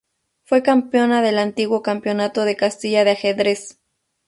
Fue campeona del antiguo campeonato de Castilla de ajedrez.